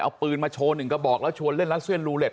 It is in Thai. เอาปืนมาโชว์หนึ่งกระบอกแล้วชวนเล่นรัสเซียนรูเล็